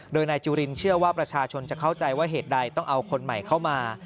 โดยนายจุลินเชื่อว่าประชาชนจะเข้าใจว่าเหตุใดต้องเอาคนใหม่เข้ามา